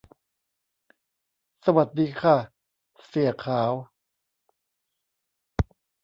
หวัดดีค่ะเสี่ยขาว